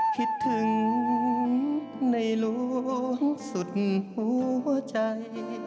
คิดถึงในหลวงสุดหัวใจ